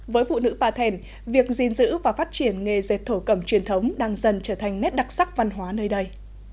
với phụ nữ pa thèn việc gìn giữ và phát triển nghề dệt thổ cẩm truyền thống đang dần trở thành nét đặc sắc văn hóa nơi đây